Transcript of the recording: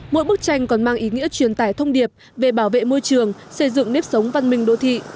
mỗi bức tranh còn mang ý nghĩa truyền tải thông điệp về bảo vệ môi trường xây dựng nếp sống văn minh đô thị